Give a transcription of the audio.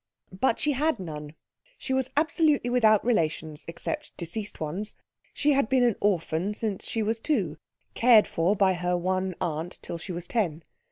But she had none. She was absolutely without relations except deceased ones. She had been an orphan since she was two, cared for by her one aunt till she was ten.